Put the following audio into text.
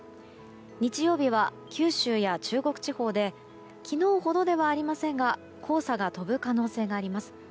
日曜日は九州や中国地方で昨日ほどではありませんが黄砂が飛ぶ可能性があります。